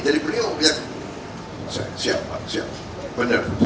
jadi beliau yang siap siap benar